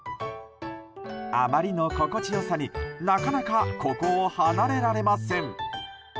あまりの心地良さに、なかなかここを離れられません。